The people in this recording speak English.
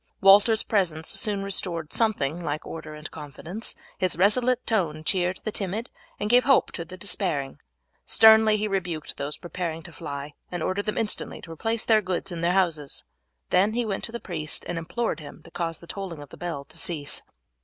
Walter's presence soon restored something like order and confidence; his resolute tone cheered the timid and gave hope to the despairing. Sternly he rebuked those preparing to fly, and ordered them instantly to replace their goods in their houses. Then he went to the priest and implored him to cause the tolling of the bell to cease.